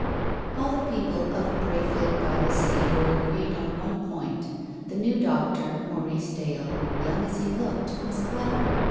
All the people of Brayfield by the sea were agreed on one point. The new doctor, Maurice Dale, young as he looked, was clever.